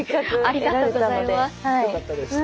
ありがとうございます。